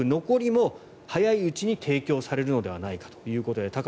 残りも早いうちに提供されるのではないかということで